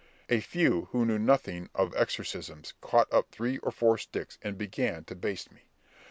A few who knew nothing of exorcisms caught up three or four sticks and began to baste me.